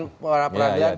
seribu putusan peradilan